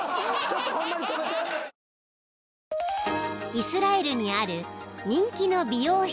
［イスラエルにある］